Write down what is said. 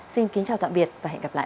xin kính chào tạm biệt và hẹn gặp lại